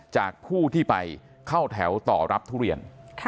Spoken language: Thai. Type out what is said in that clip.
จากผู้ที่ไปเข้าแถวต่อรับทุเรียน